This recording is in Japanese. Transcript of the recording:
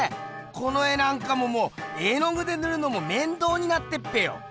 この絵なんかももう絵のぐでぬるのもめんどうになってっぺよ！